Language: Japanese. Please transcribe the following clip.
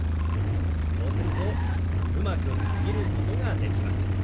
そうするとうまく区切ることができます。